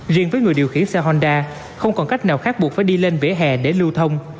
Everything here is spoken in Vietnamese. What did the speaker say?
riêng với người điều khiển xe honda không còn cách nào khác buộc phải đi lên vỉa hè để lưu thông